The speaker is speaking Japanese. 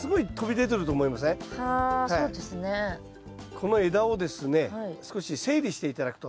この枝をですね少し整理して頂くと。